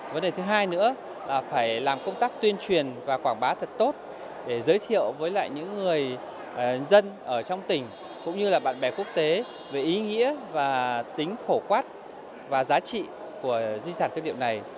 vấn đề thứ hai nữa là phải làm công tác tuyên truyền và quảng bá thật tốt để giới thiệu với lại những người dân ở trong tỉnh cũng như là bạn bè quốc tế về ý nghĩa và tính phổ quát và giá trị của di sản tư liệu này